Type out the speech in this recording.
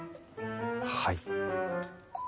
はい。